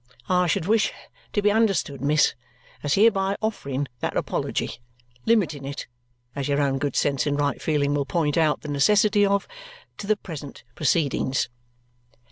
I should wish to be understood, miss, as hereby offering that apology limiting it, as your own good sense and right feeling will point out the necessity of, to the present proceedings."